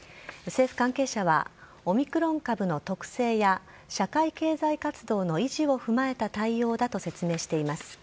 政府関係者は、オミクロン株の特性や、社会経済活動の維持を踏まえた対応だと説明しています。